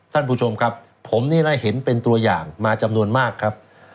ท่านผู้ชมครับผมนี่นะเห็นเป็นตัวอย่างมาจำนวนมากครับ